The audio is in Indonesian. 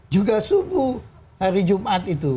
juga subuh hari jumat itu